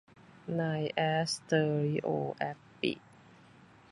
นายแอสเตอริโอ แอปปิ